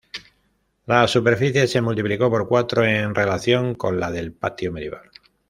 La superficie se multiplicó por cuatro en relación con la del patio medieval.